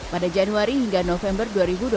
pada januari hingga november dua ribu dua puluh